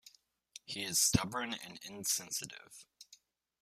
He is stubborn and insensitive.